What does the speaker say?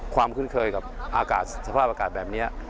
ความคุ้นเคยกับสภาพอากาศแบบนี้